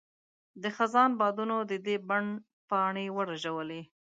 د خزان بادونو د دې بڼ پاڼې ورژول.